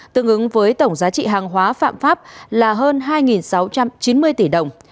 tương ứng với tổng giá trị hàng hóa phạm pháp là hơn hai sáu trăm chín mươi tỷ đồng